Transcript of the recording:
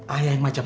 ayah yang macam apa